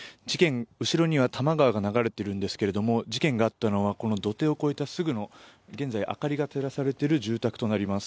後ろには多摩川が流れているんですけれども事件があったのは土手を越えてすぐの現在、明かりが照らされている住宅となります。